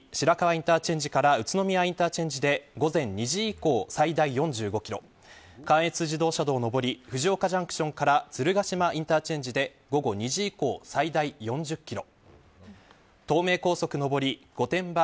インターチェンジ付近から宇都宮インターチェンジ付近で午後２時以降、最大４５キロ関越自動車道上り藤岡ジャンクションから鶴ヶ島インターチェンジ付近で午後２時以降最大４０キロ